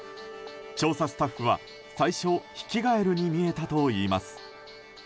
調査スタッフは最初ヒキガエルに見えたといいます。